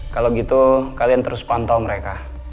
kalau gitu kalian terus pantau mereka